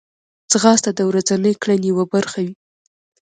ځغاسته د ورځنۍ کړنې یوه برخه وي